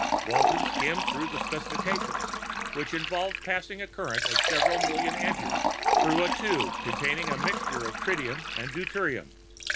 Walton skimmed through the specifications, which involved passing a current of several million amperes through a tube containing a mixture of tritium and deuterium.